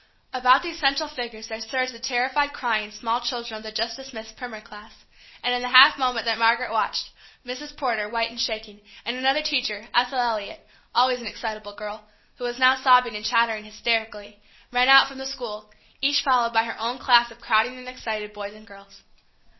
About these central figures there surged the terrified crying small children of the just dismissed primer class, and in the half moment that Margaret watched, Mrs. Porter, white and shaking, and another teacher, Ethel Elliot, an always excitable girl, who was now sobbing and chattering hysterically, ran out from the school, each followed by her own class of crowding and excited boys and girls.